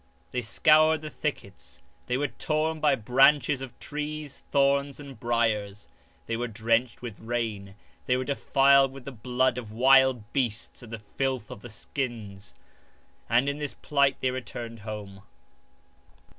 They scoured the thickets ; they were torn by branches of trees, thorns, and briars ; they were drenched with rain ; they were defiled with the blood of wild beasts and the filth of the skins ; and in this plight they returned home.